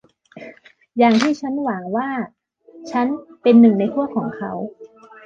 อย่างที่ฉันหวังว่าฉันเป็นหนึ่งในพวกของเขา